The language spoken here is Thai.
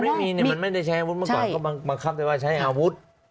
ไม่มีเนี่ยมันไม่ได้ใช้อาวุธเมื่อก่อนก็บังคับได้ว่าใช้อาวุธ